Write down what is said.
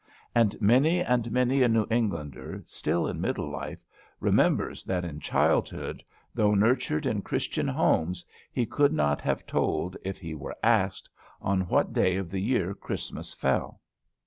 And many and many a New Englander, still in middle life, remembers that in childhood, though nurtured in Christian homes, he could not have told, if he were asked, on what day of the year Christmas fell.